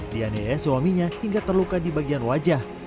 dianiaya suaminya hingga terluka di bagian wajah